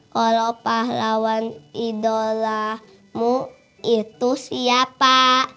kalau pahlawan idolamu itu siapa